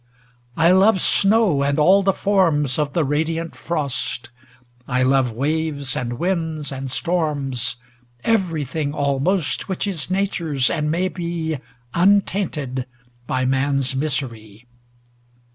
I love snow and all the forms Of the radiant frost; I love waves, and winds, and storms, Everything almost Which is Nature's, and may be Untainted by man's misery.